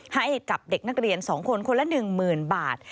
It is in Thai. ให้กับเด็กนักเรียน๒คนคนละ๑๐๐๐บาท